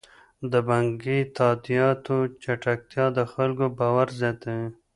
د بانکي تادیاتو چټکتیا د خلکو باور زیاتوي.